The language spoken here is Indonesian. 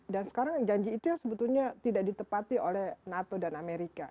dan sekarang janji itu yang sebetulnya tidak ditepati oleh nato dan amerika